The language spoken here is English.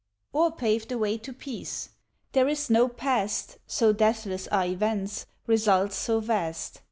Or pave the way to peace. There is no past, So deathless are events results so vast.